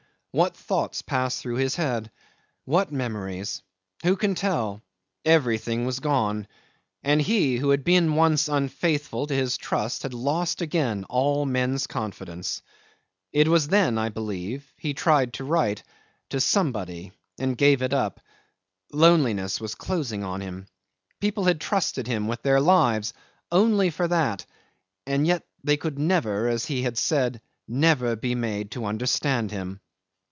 'What thoughts passed through his head what memories? Who can tell? Everything was gone, and he who had been once unfaithful to his trust had lost again all men's confidence. It was then, I believe, he tried to write to somebody and gave it up. Loneliness was closing on him. People had trusted him with their lives only for that; and yet they could never, as he had said, never be made to understand him.